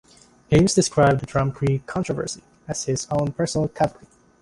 Eames described the Drumcree controversy as his "own personal Calvary".